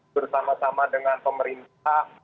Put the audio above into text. bersama sama dengan pemerintah